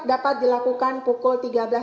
dapat dilakukan pukul tiga belas